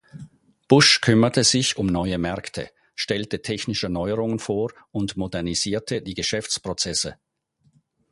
Busch kümmerte sich um neue Märkte, stellte technische Neuerungen vor und modernisierte die Geschäftsprozesse.